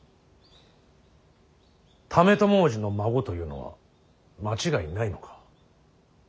為朝叔父の孫というのは間違いないのか。